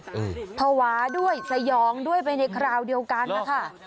อืมภาวะด้วยสยองด้วยไปในคราวเดียวกันนะคะ